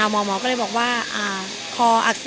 มองศ์